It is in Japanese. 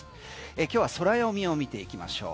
今日はソラヨミを見ていきましょう。